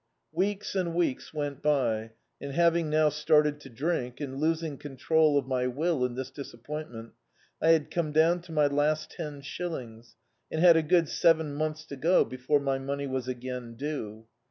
Weeks and weeks went by and, having now started to drink, and losing control of my will in this dis appointment, I had come down to my last ten shill ings, and had a good seven months to go before my money was again due.